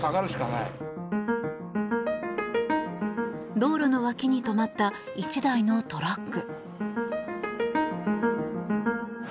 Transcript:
道路の脇に止まった１台のトラック。